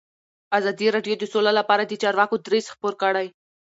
ازادي راډیو د سوله لپاره د چارواکو دریځ خپور کړی.